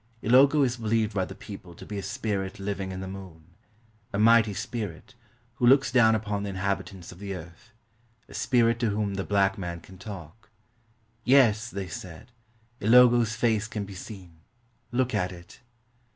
Ilogo is believed by the people to be a spirit living in the moon — a mighty spirit, who looks down upon the inhabitants of the earth — a spirit to whom the black man can talk. "Yes," they said, "Ilogo's face can be seen; look at it."